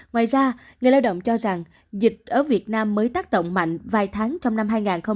ngoài ra người lao động cho rằng dịch ở việt nam mới tác động mạnh vài tháng trong năm hai nghìn hai mươi